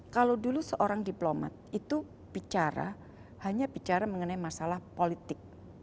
kalau dulu seorang diplomat itu bicara hanya bicara mengenai masalah politik